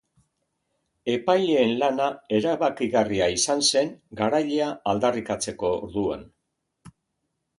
Epaileen lana erabakigarria izan zen garailea aldarrikatzeko orduan.